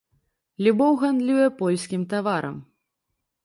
Любоў гандлюе польскім таварам.